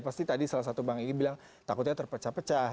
pasti tadi salah satu bang egy bilang takutnya terpecah pecah